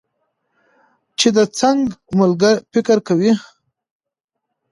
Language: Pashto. چې د څنګه فکر کوي